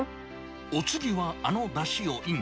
お次はあのだしをイン。